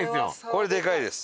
これでかいです。